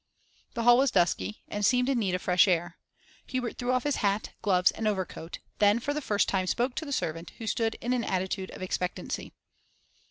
The hall was dusky, and seemed in need of fresh air. Hubert threw off his hat, gloves, and overcoat; then for the first time spoke to the servant, who stood in an attitude of expectancy.